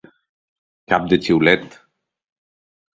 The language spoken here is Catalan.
Cap de xiulet.